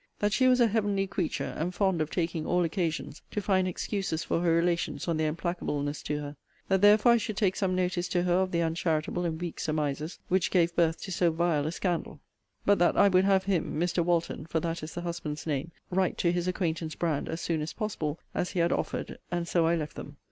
That she was a heavenly creature, and fond of taking all occasions to find excuses for her relations on their implacableness to her: that therefore I should take some notice to her of the uncharitable and weak surmises which gave birth to so vile a scandal: but that I would have him, Mr. Walton, (for that is the husband's name,) write to his acquaintance Brand as soon as possible, as he had offered; and so I left them.